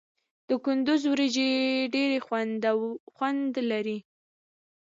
د کندز وریجې ډیر خوند لري.